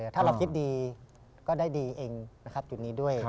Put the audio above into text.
ถ้าเราคิดดีก็ได้ดีเองนะครับจุดนี้ด้วย